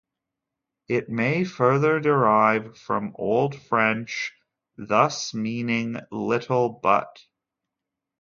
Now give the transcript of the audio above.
It may further derive from Old French ", thus meaning "little butt".